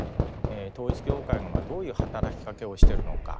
統一教会がどういう働きかけをしているのか。